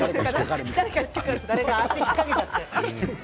誰か足を引っ掛けちゃって。